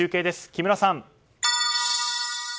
木村さん！